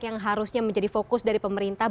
yang harusnya menjadi fokus dari pemerintah